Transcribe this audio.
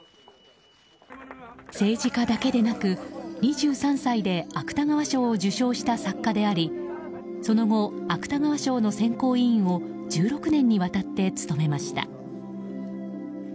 政治家だけでなく２３歳で芥川賞を受賞した作家でありその後、芥川賞の選考委員を１６年にわたって務めました。